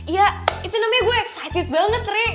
ya itu namanya gue excited banget rek